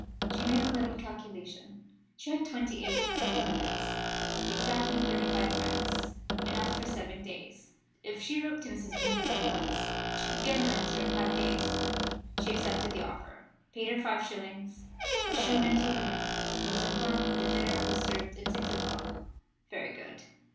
She made a little calculation she had twenty eight and tenpence; exactly thirty five francs enough for seven days. If she wrote to Mrs. Vimpany at once she could get an answer in five days. She accepted the offer, paid her five shillings, was shown into a room, and was informed that the dinner was served at six o'clock. Very good.